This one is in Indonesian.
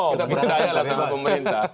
sudah percaya lah sama pemerintah